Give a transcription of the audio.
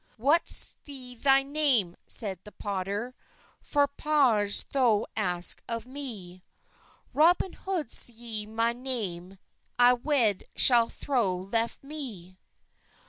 "What ys they name," seyde the potter, "For pauage thow ask of me?" "Roben Hod ys mey name, A wed schall thow leffe me."